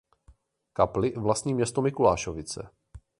Kapli vlastní město Mikulášovice.